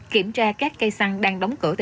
kiểm tra các cây săn đang đóng cửa tại quận bảy